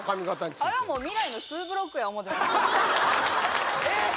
あれはもう未来のツーブロックや思うてますえっ！